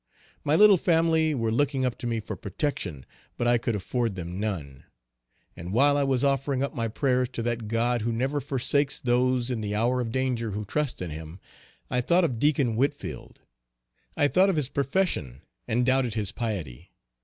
My little family were looking up to me for protection, but I could afford them none. And while I was offering up my prayers to that God who never forsakes those in the hour of danger who trust in him, I thought of Deacon Whitfield; I thought of his profession, and doubted his piety.